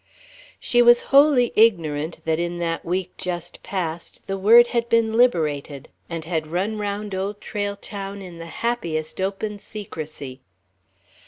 She was wholly ignorant that in that week just passed the word had been liberated and had run round Old Trail Town in the happiest open secrecy